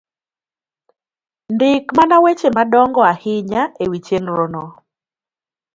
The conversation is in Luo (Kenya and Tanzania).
Ndik mana weche madongo ahinya e wi chenro no